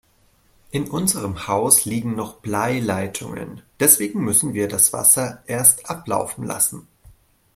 In unserem Haus liegen noch Bleileitungen, deswegen müssen wir das Wasser erst ablaufen lassen.